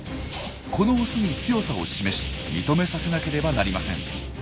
このオスに強さを示し認めさせなければなりません。